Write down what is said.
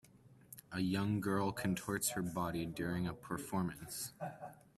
A young girl contorts her body during a performance.